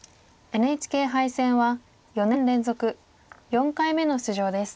ＮＨＫ杯戦は４年連続４回目の出場です。